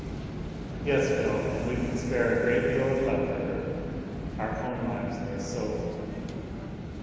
"Yes, Phil, and we can spare a great deal of love for her, our own lives are so full."